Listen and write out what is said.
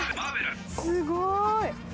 すごーい